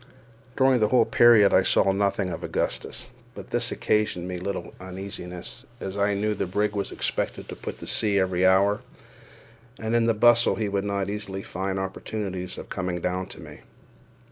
During the whole period I saw nothing of Augustus; but this occasioned me little uneasiness, as I knew the brig was expected to put to sea every hour, and in the bustle he would not easily find opportunities of coming down to me.